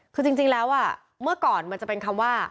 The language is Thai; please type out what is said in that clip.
คือจริงแล้วเมื่อก่อนมันจะเป็นคำว่า